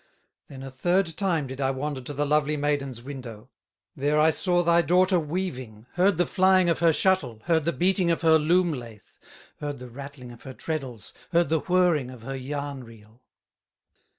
"Then a third time did I wander To the lovely maiden's window; There I saw thy daughter weaving, Heard the flying of her shuttle, Heard the beating of her loom lathe, Heard the rattling of her treddles, Heard the whirring of her yarn reel."